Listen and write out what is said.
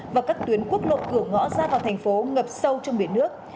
và các tuyến quốc lộ cửa ngõ ra vào thành phố ngập sâu trong biển nước